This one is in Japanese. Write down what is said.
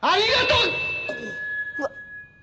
うわっ。